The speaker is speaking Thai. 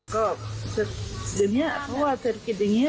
ก็เดี๋ยวนี้เพราะว่าเศรษฐกิจอย่างนี้